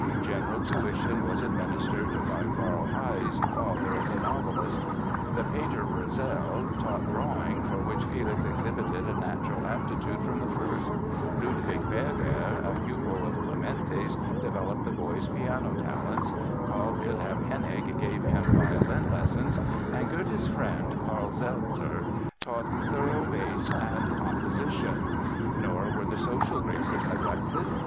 General tuition was administered by Karl Heyse, father of the novelist; the painter, Rösel, taught drawing, for which Felix exhibited a natural aptitude from the first; Ludwig Berger, a pupil of Clementi's, developed the boy's piano talents, Carl Wilhelm Henning gave him violin lessons and Goethe's friend, Carl Zelter, taught thorough bass and composition. Nor were the social graces neglected.